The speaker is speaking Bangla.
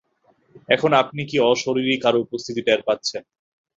এখন, আপনি কি অশরীরী কারো উপস্থিতি টের পাচ্ছেন?